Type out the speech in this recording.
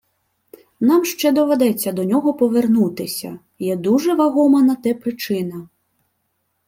Нам ще доведеться до нього повернутися, є дуже вагома на те причина